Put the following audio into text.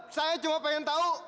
saya cuma pengen tahu